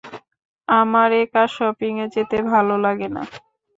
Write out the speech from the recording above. আমার একা শপিংয়ে যেতে ভালো লাগে না।